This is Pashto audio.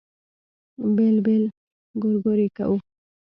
بېل بېل ګورګورې کوو.